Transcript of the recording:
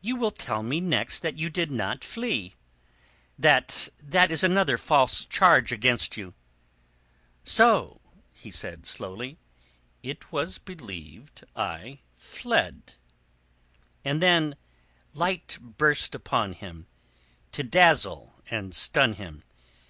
"You will tell me next that you did not flee. That that is another false charge against you?" "So," he said slowly, "it was believed I fled!" And then light burst upon him, to dazzle and stun him.